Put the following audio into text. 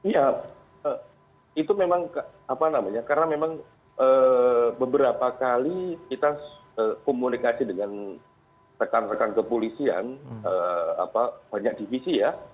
ya itu memang apa namanya karena memang beberapa kali kita komunikasi dengan rekan rekan kepolisian banyak divisi ya